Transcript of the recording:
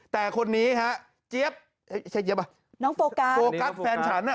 แต่คนนี้ฟโกัสแฟนฉัน